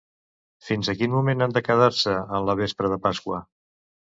Fins a quin moment han de quedar-se en la vespra de Pasqua?